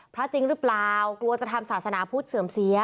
พระจริงหรือเปล่ากลัวจะทำศาสนาพุทธเสื่อมเสีย